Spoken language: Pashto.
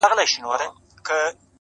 o لېونى په خپل کار ښه پوهېږي!